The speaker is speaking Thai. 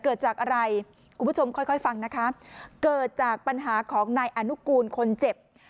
เกิดจากอะไรคุณผู้ชมค่อยฟังนะคะเกิดจากปัญหาของนายอนุกูลคนเจ็บ